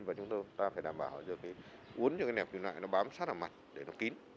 và chúng tôi ta phải đảm bảo được cái uốn cho cái nẹp kim loại nó bám sát vào mặt để nó kín